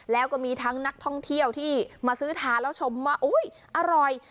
แล้วก็มีทั้งนักท่องเที่ยวที่มาซื้อทานแล้วชมว่าอุ๊ยอร่อย